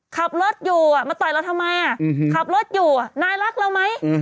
ขับรถอยู่มาต่อยเราทำไมขับรถอยู่นายรักเราไหม